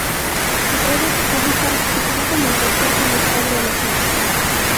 Robert Kubica firmó como el tercer conductor del equipo.